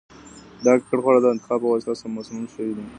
دا ککړ خواړه د انتان په واسطه مسموم شوي دي.